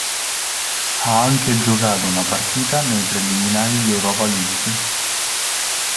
Ha anche giocato una partita nei preliminari di Europa League.